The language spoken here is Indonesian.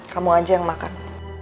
kamu aja yang makan